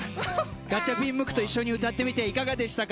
ガチャピンムックと一緒に歌ってみていかがでしたか？